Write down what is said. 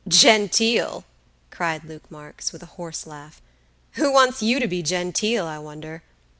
"Genteel!" cried Luke Marks, with a hoarse laugh; "who wants you to be genteel, I wonder?